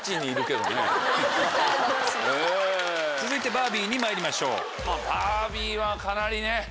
続いてバービーにまいりましょう。